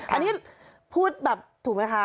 อันนี้พูดแบบถูกไหมคะ